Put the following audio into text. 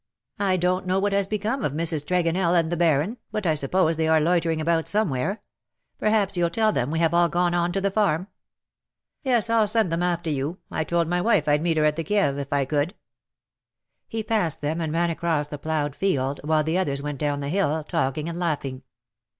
" I don^t know what has become of Mrs. Tregonell and the Baron, but I suppose they are loitering about somewhere. Perhaps you^ll tell them we have all gone on to the farm.^' " Yes, ril send them after you. I told my wife Vd meet her at the Kieve, if I could.^'' 225 He passed them and ran across the ploughed field, while the others went down the hill, talking and laughing.